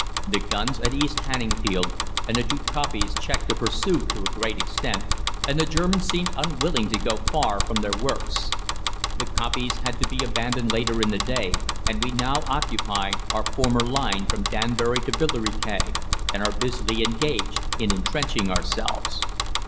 "The guns at East Hanningfield and the two kopjes checked the pursuit to a great extent, and the Germans seemed unwilling to go far from their works. The kopjes had to be abandoned later in the day, and we now occupy our former line from Danbury to Billericay, and are busily engaged in entrenching ourselves."